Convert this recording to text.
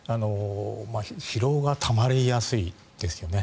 疲労がたまりやすいですよね。